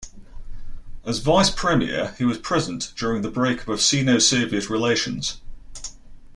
As vice premier, he was present during the breakup of Sino-Soviet relations.